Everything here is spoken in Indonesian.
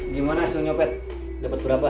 gimana hasilnya opet dapet berapa